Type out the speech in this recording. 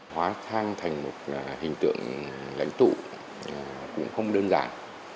hóa thang thành một hình tượng lãnh tụ cũng không đơn giản